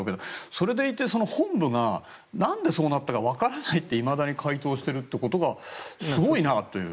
それでいて、本部が何で、そうなったか分からないっていまだに回答していることがすごいなあという。